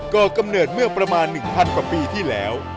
ก็กำเนิดเมื่อประมาณ๑๐๐กว่าปีที่แล้ว